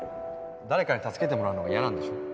誰かに助けてもらうのが嫌なんでしょ？